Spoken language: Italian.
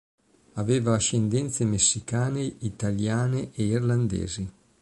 Aveva ascendenze messicane, italiane e irlandesi.